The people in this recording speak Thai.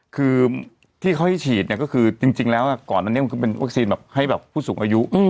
คือที่เขาให้ฉีดก็คือจริงแล้วก่อนอันนี้มันเป็นไฟเซอร์ให้ผู้สูงอายุ